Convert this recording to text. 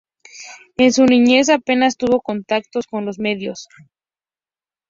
En su niñez apenas tuvo contacto con los medios.